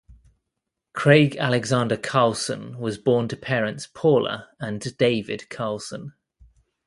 Craig Alexander Carlson was born to parents Paula and David Carlson.